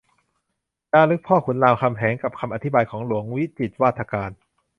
จารึกพ่อขุนรามคำแหง กับคำอธิบายของหลวงวิจิตรวาทการ